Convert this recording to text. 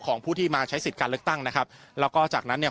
ของผู้ที่มาใช้สิทธิ์การเลือกตั้งนะครับแล้วก็จากนั้นเนี่ย